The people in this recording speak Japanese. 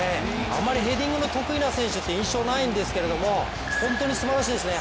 あまりヘディングの得意な選手という印象はないんですけど本当にすばらしいですね。